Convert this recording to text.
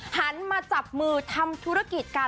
หันมาจับมือทำธุรกิจกัน